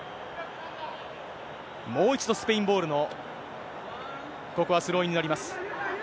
もう一度、スペインボールのここはスローインになります。